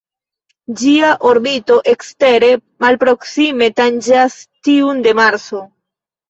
Ĝia orbito ekstere malproksime tanĝas tiun de Marso.